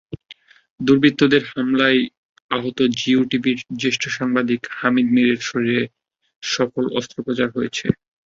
দুর্বৃত্তদের গুলিতে আহত জিও টিভির জ্যেষ্ঠ সাংবাদিক হামিদ মিরের শরীরে সফল অস্ত্রোপাচার হয়েছে।